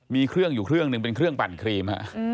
มีเครื่องอยู่เครื่องหนึ่งเป็นเครื่องปั่นครีม